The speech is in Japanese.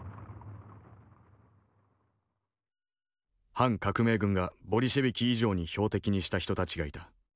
反革命軍がボリシェビキ以上に標的にした人たちがいた。